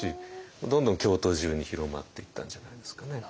どんどん京都中に広まっていったんじゃないですかね。